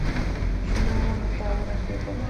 شنو ونو ته ورسېدل.